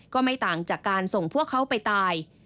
ก็ไม่ต่างจากการส่งพวกเขาไปตาย